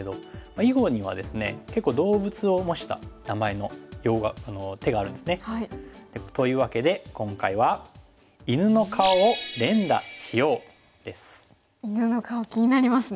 囲碁にはですね結構動物を模した名前の用語手があるんですね。というわけで今回は犬の顔気になりますね。